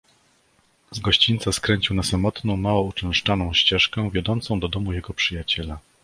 "Z gościńca skręcił na samotną, mało uczęszczaną ścieżkę, wiodącą do domu jego przyjaciela."